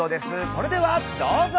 それではどうぞ。